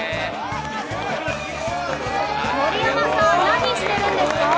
盛山さん、何してるんですかぁ？